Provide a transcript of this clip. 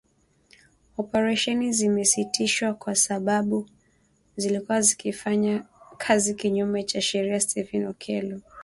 Operesheni zimesitishwa kwa sababu zilikuwa zikifanya kazi kinyume cha sheria, Stephen Okello